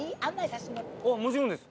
もちろんです。